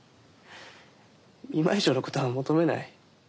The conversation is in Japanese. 今以上のことは求めない。